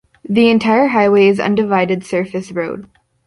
The entire highway is undivided surface road.